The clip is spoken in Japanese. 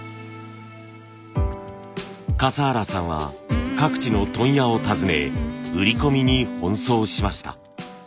笠原さんは各地の問屋を訪ね売り込みに奔走しました。